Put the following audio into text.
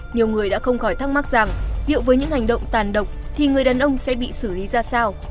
nhiều người đã không khỏi thắc mắc rằng liệu với những hành động tàn độc thì người đàn ông sẽ bị xử lý ra sao